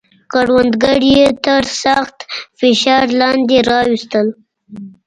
کروندګر یې تر سخت فشار لاندې راوستل.